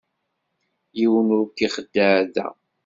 Yiwen ur k-ixeddeε da.